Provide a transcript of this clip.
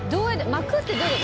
巻くってどういう事？